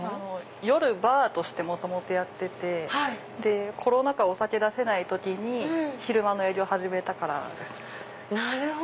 夜バーとして元々やっててコロナ禍お酒出せない時に昼間の営業始めたからですね。